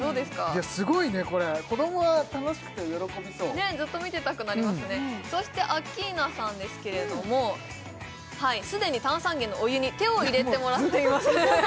いやすごいねこれ子どもは楽しくて喜びそうずっと見ていたくなりますねそしてアッキーナさんですけれども既に炭酸源のお湯に手を入れてもらっています